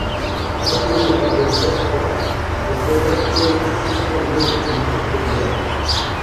Entourée par des steppes sèches, la forêt crée un spécial mésoclimat autour d'elle.